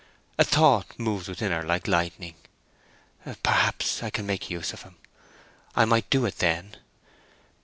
A thought moved within her like lightning. "Perhaps I can make use of him—I might do it then!"